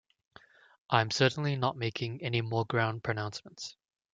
I'm certainly not making any more grand pronouncements.